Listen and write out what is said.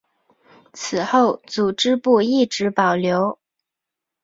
此后组织部一直保留。